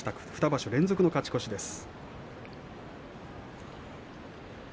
２場所連続の勝ち越しです。